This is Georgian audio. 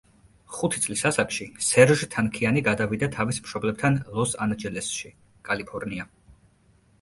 ხუთი წლის ასაკში სერჟ თანქიანი გადავიდა თავის მშობლებთან ლოს-ანჯელესში, კალიფორნია.